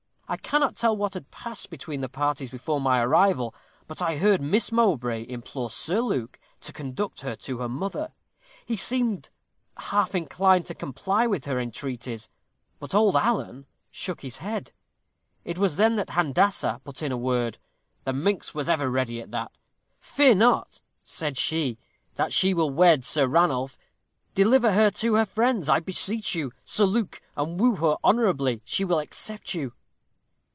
I cannot tell what had passed between the parties before my arrival, but I heard Miss Mowbray implore Sir Luke to conduct her to her mother. He seemed half inclined to comply with her entreaties; but old Alan shook his head. It was then Handassah put in a word; the minx was ever ready at that. 'Fear not,' said she, 'that she will wed Sir Ranulph. Deliver her to her friends, I beseech you, Sir Luke, and woo her honorably. She will accept you.'